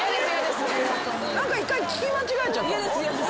何か１回聞き間違えちゃった。